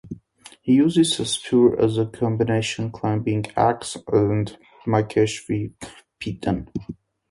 He uses the spur as a combination climbing ax and makeshift piton.